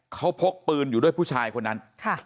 เขาพกปืนอยู่ด้วยผู้ชายคนนั้น